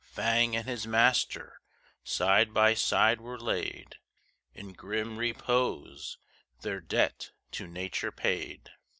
Fang and his master side by side were laid In grim repose their debt to nature paid.